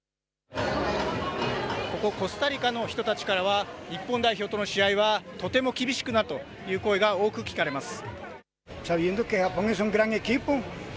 ここ、コスタリカの人たちからは日本代表との試合はとても厳しくなるという声が多く聞かれます。